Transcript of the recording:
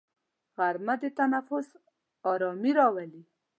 غرمه د تنفس ارامي راولي